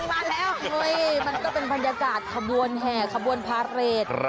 มาแล้วเฮ้ยมันก็เป็นบรรยากาศขบวนแห่ขบวนพาเรท